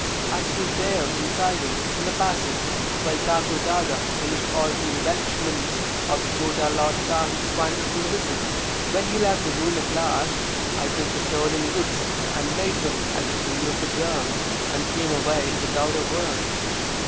I stood there in silence in the passage, while Thakur Dada finished all his embellishments of the Chota Lord Sahib's wonderful visit. When he left the room at last, I took the stolen goods and laid them at the feet of the girl and came away without a word.